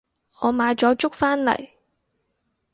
我買咗粥返嚟